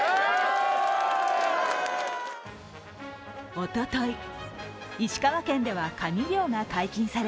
おととい、石川県ではかに漁が解禁され